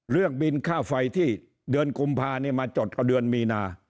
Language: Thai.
เรื่องบินค่าไฟที่เดือนกุมภามาจดเอาเดือนมีนา